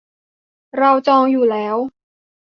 เราจองอยู่แล้ว